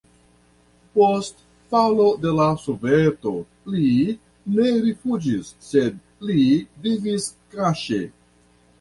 Post falo de la Soveto li ne rifuĝis, sed li vivis kaŝe.